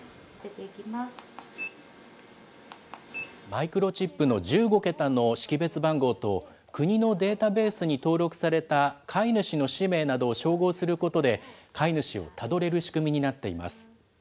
マイクロチップの１５桁の識別番号と、国のデータベースに登録された飼い主の氏名などを照合することで、飼い主をたどれる仕組みになっています。